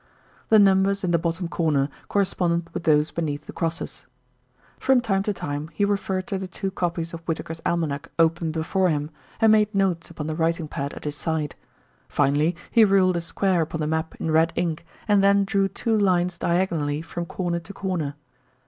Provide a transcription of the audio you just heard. The numbers in the bottom corner corresponded with those beneath the crosses. From time to time he referred to the two copies of Whitaker's Almanack open before him, and made notes upon the writing pad at his side. Finally he ruled a square upon the map in red ink, and then drew two lines diagonally from corner to corner.